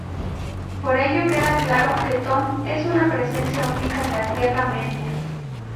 Por ello, queda claro que Tom es una presencia única en la Tierra Media.